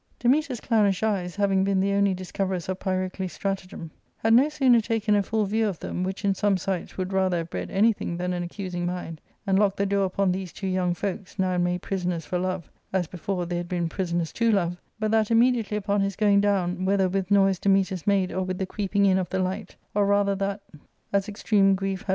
Dametas' clownish eyes, having been the only discoverers of Pyrocles' stratagem, had no sooner taken a full view of them, which in some sights would rather have bred anything, than an accusing mind, and locked the door upon these two young folks, now made prisoners for love, as before they had been prisoners to love, but that immediately upon his going down, whether with noise Dametas made or with the creep ing in of the light, or rather that as extreme grief had ARCADIA.'